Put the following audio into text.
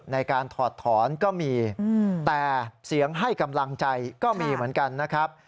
ในการถอดถอนก็มีแต่เสียงให้กำลังใจก็มีเหมือนกันนะครับ